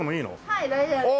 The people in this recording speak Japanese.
はい大丈夫です。